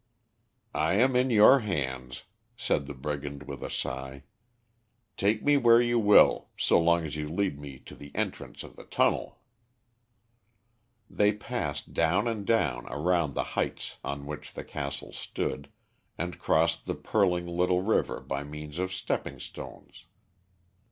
"I am in your hands," said the brigand with a sigh. "Take me where you will, so long as you lead me to the entrance of the tunnel." They passed down and down around the heights on which the castle stood, and crossed the purling little river by means of stepping stones.